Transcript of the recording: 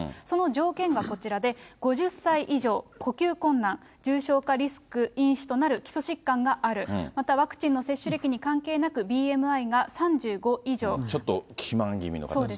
その条件がこちらで、５０歳以上、呼吸困難、重症化リスク、因子となる基礎疾患がある、またワクチンの接種歴に関係なく、ちょっと肥満気味の方。